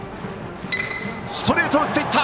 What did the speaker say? ストレートを打っていった。